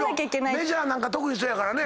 メジャーなんか特にそうやからね。